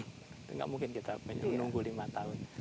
tidak mungkin kita menunggu lima tahun